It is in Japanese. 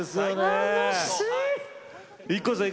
ＩＫＫＯさん